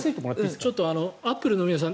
ちょっとアップルの皆さん